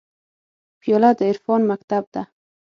پیاله د عرفان مکتب ده.